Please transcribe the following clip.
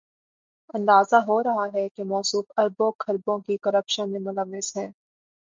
اندازہ ہو رہا ہے کہ موصوف اربوں، کھربوں کی کرپشن میں ملوث ہیں۔